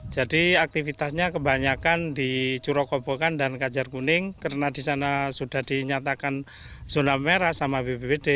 jadi aktivitasnya kebanyakan di curokobokan dan kajar kuning karena di sana sudah dinyatakan zona merah sama bppt